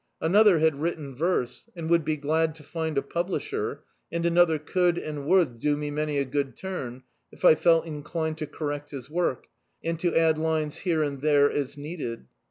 Another had written verse, and would be glad to find a publisher, and another could, and would, do roe many a good turn, if I felt inclined to correct his work, and to add lines here and there as needed.